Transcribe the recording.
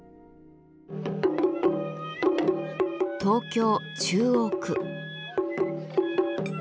東京・中央区。